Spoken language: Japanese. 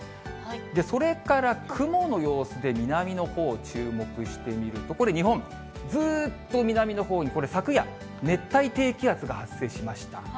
それから雲の様子で、南のほう、注目してみると、これ日本、ずーっと南のほうにこれ、昨夜、熱帯低気圧が発生しました。